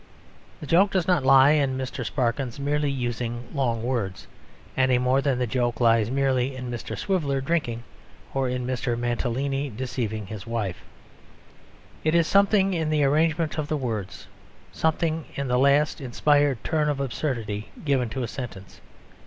The joke does not lie in Mr. Sparkins merely using long words, any more than the joke lies merely in Mr. Swiveller drinking, or in Mr. Mantalini deceiving his wife. It is something in the arrangement of the words; something in a last inspired turn of absurdity given to a sentence.